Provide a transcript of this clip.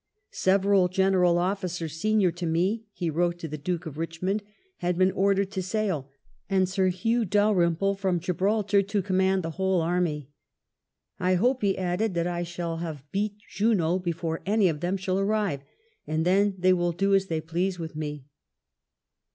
"Several general officers senior to me," he wrote to the Duke of Eichmond, had been ordered to sail, and Sir Hew Dalrymple (from Gibraltar) to com mand the whole army. "I hop^," he added, "that I shall have beat Junot before any of them shall arrive, and then they will do as they please with me."